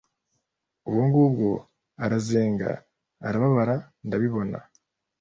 ubwo ngubwo arazenga arababara ndabibona